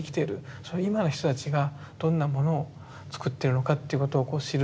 それ今の人たちがどんなものをつくってるのかっていうことを知ると。